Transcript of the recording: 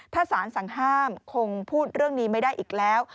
ถ้าสารสั่งห้ามคงพูดเรื่องนี้ไม่ได้อีกแล้ว